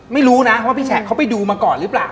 ไม่รู้นะว่าพี่แฉะเขาไปดูมาก่อนหรือเปล่า